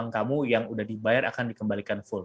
kamu yang udah dibayar akan dikembalikan full